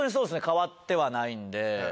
変わってはないんで。